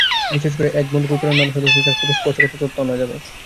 বিশেষ করে এগমন্ট গ্রুপের অন্যান্য সদস্যদেশের কাছ থেকে স্পর্শকাতর তথ্য আনা যাবে।